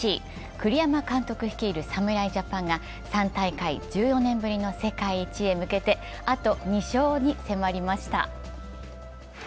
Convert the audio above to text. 栗山監督率いる侍ジャパンが３大会１４年ぶりの世界一へあと２勝に迫りました。